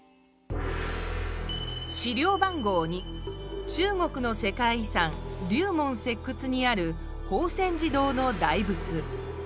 資料番号２中国の世界遺産竜門石窟にある奉先寺洞の大仏。